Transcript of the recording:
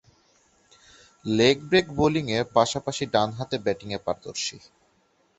Leg break বোলিংয়ের পাশাপাশি ডানহাতে ব্যাটিংয়ে পারদর্শী।